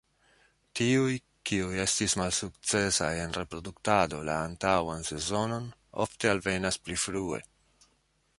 Tiuj kiuj estis malsukcesaj en reproduktado la antaŭan sezonon ofte alvenas pli frue.